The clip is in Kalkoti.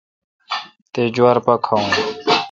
تے°جوار پا کھاوون۔